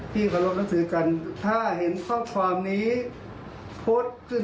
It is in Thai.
ที่ขอรบรับสืบกันถ้าเห็นข้อความนี้โพสต์ขึ้น